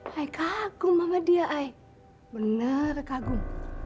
saya kagum sama dia ayah bener kagum